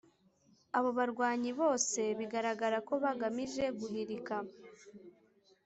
Abo barwanyi bose bigaragara ko bagamije guhirika